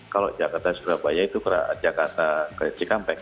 kalau jakarta surabaya itu jakarta ke cikampek